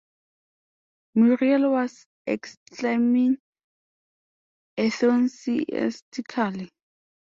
Muriel was exclaiming enthusiastically.